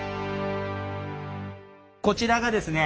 こちらがですね